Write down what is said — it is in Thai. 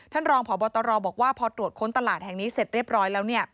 รองพบตรบอกว่าพอตรวจค้นตลาดแห่งนี้เสร็จเรียบร้อยแล้ว